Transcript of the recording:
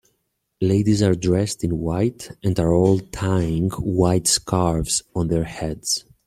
Ladies are dressed in white and are all tying white scarves on their heads.